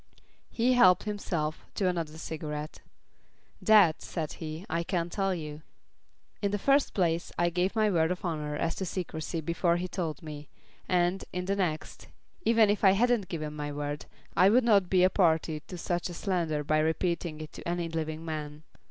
He helped himself to another cigarette. "That," said he, "I can't tell you. In the first place I gave my word of honour as to secrecy before he told me, and, in the next, even if I hadn't given my word, I would not be a party to such a slander by repeating it to any living man."